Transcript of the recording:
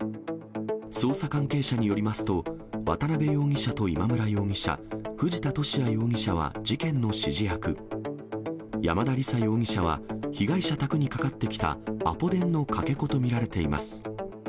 捜査関係者によりますと、渡辺容疑者と今村容疑者、藤田聖也容疑者は事件の指示役、山田李沙容疑者は被害者宅にかかってきたアポ電のかけ子と見られています。